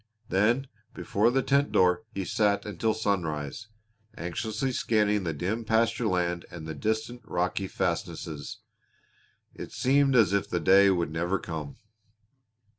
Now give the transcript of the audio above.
Then before the tent door he sat until sunrise, anxiously scanning the dim pasture land and the distant rocky fastnesses. It seemed as if the day would never come.